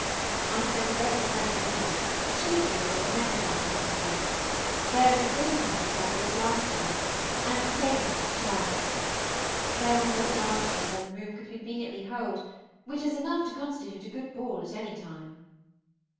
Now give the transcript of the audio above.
I spent a very pleasant evening, chiefly among the Manydown party. There was the same kind of supper as last year, and the same want of chairs. There were more dancers than the room could conveniently hold, which is enough to constitute a good ball at any time.